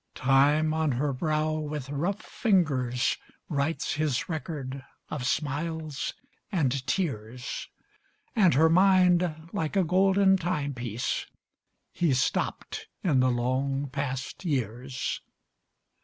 Time on her brow with rough fingers Writes his record of smiles and tears; And her mind, like a golden timepiece, He stopped in the long past years.